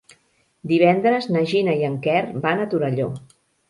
Divendres na Gina i en Quer van a Torelló.